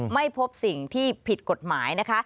ไม่พบสิ่งที่ผิดกฎหมายนะคะ